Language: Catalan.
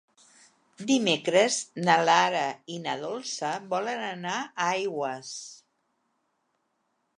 Dimecres na Lara i na Dolça volen anar a Aigües.